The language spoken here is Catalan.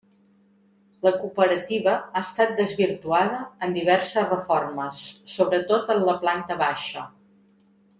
La cooperativa ha estat desvirtuada en diverses reformes sobretot en la planta baixa.